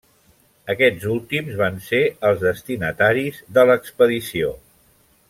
Aquests últims van ser els destinataris de l'expedició.